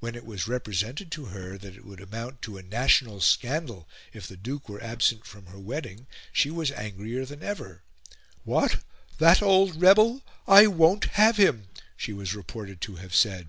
When it was represented to her that it would amount to a national scandal if the Duke were absent from her wedding, she was angrier than ever. "What! That old rebel! I won't have him:" she was reported to have said.